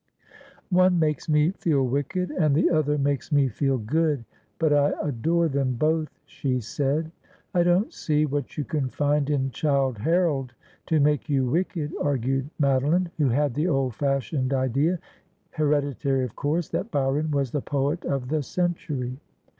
' One makes me feel wicked, and the other makes me feel good ; but I adore them both,' she said. ' I don't see what you can find in Childe Harold to make you wicked,' argued Madeline, who had the old fashioned idea, here ditary of course, that Byron was the poet of the century.